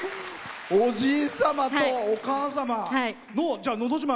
おじい様とお母様の「のど自慢」